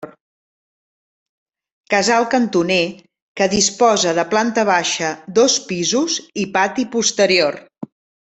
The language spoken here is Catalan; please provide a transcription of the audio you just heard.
Casal cantoner que disposa de planta baixa, dos pisos i pati posterior.